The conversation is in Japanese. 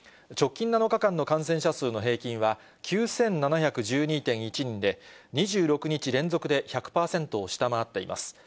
直近７日間の感染者数の平均は、９７１２．１人で、２６日連続で１００％を下回っています。